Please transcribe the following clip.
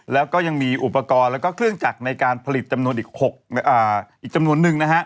แล้วก็ยังมีอุปกรณ์และเครื่องจักรในการผลิตอีกจำนวนนึง